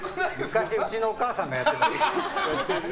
昔、うちのお母さんがやってた。